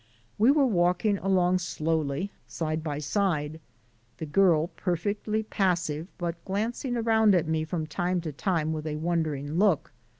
We were walking along slowly, side by side, the girl perfectly passive but glancing around at me from time to time with a wondering look.